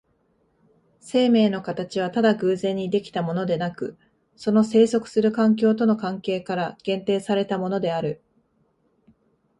生物の形はただ偶然に出来たものでなく、その棲息する環境との関係から限定されたものである。